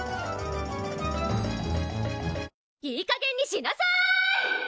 いいかげんにしなさい！